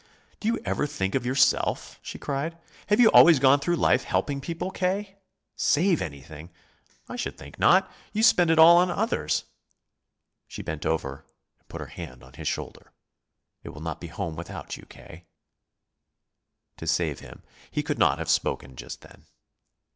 "Do you ever think of yourself?" she cried. "Have you always gone through life helping people, K.? Save anything! I should think not! You spend it all on others." She bent over and put her hand on his shoulder. "It will not be home without you, K." To save him, he could not have spoken just then.